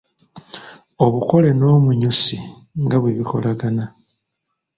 Obukole n’omunyusi nga bwe bikolagana